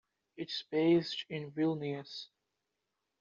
It is based in Vilnius.